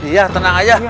iya tenang aja